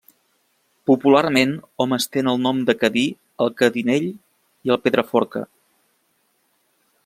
Popularment hom estén el nom de Cadí al Cadinell i al Pedraforca.